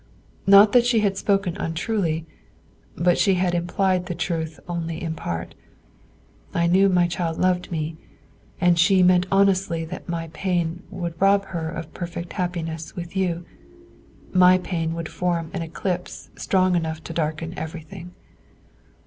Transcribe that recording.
Not that she had spoken untruly, but she had implied the truth only in part, I knew my child loved me, and she meant honestly that my pain would rob her of perfect happiness with you, my pain would form an eclipse strong enough to darken everything.